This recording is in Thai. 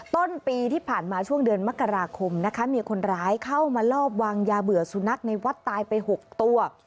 ต้นปีที่ผ่านมาช่วงเดือนมกราคมนะคะมีคนร้ายเข้ามาลอบวางยาเบื่อสุนัขในวัดตายไป๖ตัว